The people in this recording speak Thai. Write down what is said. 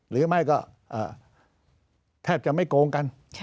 หรือไม่ก็แทบจะไม่โกงกัน